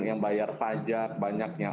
yang bayar pajak banyaknya